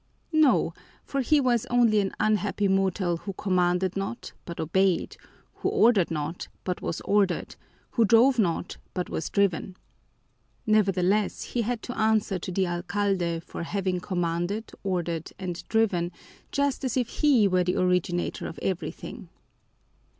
No, for he was only an unhappy mortal who commanded not, but obeyed; who ordered not, but was ordered; who drove not, but was driven. Nevertheless, he had to answer to the alcalde for having commanded, ordered, and driven, just as if he were the originator of everything.